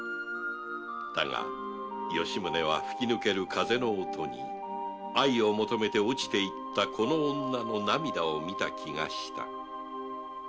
だが吉宗は吹き抜ける風の音に愛を求めて堕ちていったこの女の涙を見た気がした